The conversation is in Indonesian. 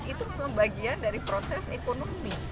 itu memang bagian dari proses ekonomi